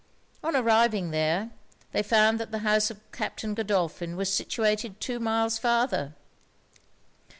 On arriving there, they found that the house of Captain Godolphin was situated two miles farther.